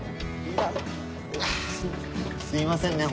すいません。